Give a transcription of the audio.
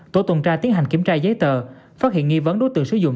tổ tuần tra tiến hành kiểm tra giấy tờ phát hiện nghi vấn đối tượng sử dụng